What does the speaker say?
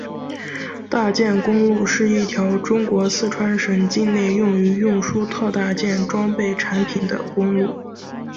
大件公路是一条中国四川省境内用于运输特大件装备产品的公路。